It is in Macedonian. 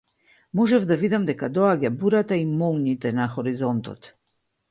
Можев да видам дека доаѓа бурата и молњите на хоризонтот.